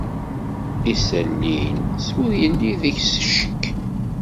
Isali-nnes ur yelli deg-s ccek.